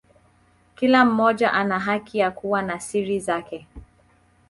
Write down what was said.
Kila mmoja ana haki ya kuwa na siri zake.